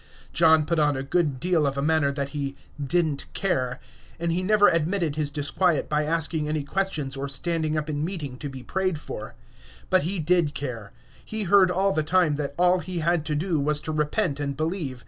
John put on a good deal of a manner that he "did n't care," and he never admitted his disquiet by asking any questions or standing up in meeting to be prayed for. But he did care. He heard all the time that all he had to do was to repent and believe.